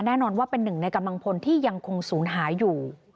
แน่นอนว่าเป็นหนึ่งในกำลังพลที่ยังคงศูนย์หายอยู่